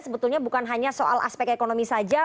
sebetulnya bukan hanya soal aspek ekonomi saja